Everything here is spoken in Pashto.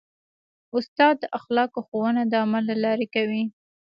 استاد د اخلاقو ښوونه د عمل له لارې کوي.